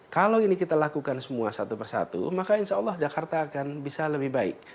kalau ini kita lakukan semua satu persatu maka insya allah jakarta akan bisa lebih baik